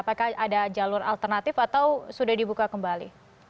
apakah ada jalur alternatif atau sudah dibuka kembali